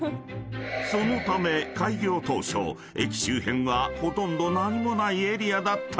［そのため開業当初駅周辺はほとんど何もないエリアだったのだが］